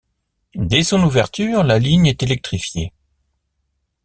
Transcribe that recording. Dès son ouverture, la ligne est électrifiée.